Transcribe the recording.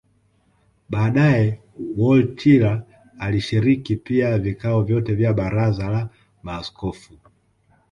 Baadae Wojtyla alishiriki pia vikao vyote vya baraza la maaskofu